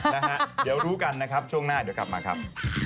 นะฮะเดี๋ยวรู้กันนะครับช่วงหน้าเดี๋ยวกลับมาครับ